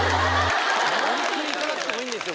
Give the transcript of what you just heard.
無理くりいかなくてもいいんですよ